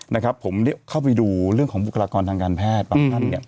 นะครับผมเข้าไปดูเรื่องของบุคลากรทางการแพทย์